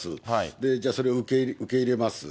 で、じゃあ、それを受け入れます。